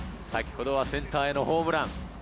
先ほどはセンターへのホームラン。